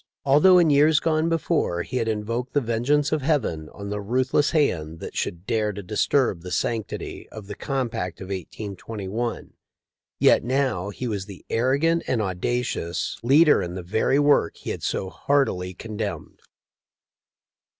Although in years gone before he had invoked the vengeance of Heaven on the ruthless hand that should dare to disturb the sanctity of the compact of 1821, yet now he was the arrogant and audacious THE LIFE OF LINCOLN. 365 leader in the very work he had so heartily con demned.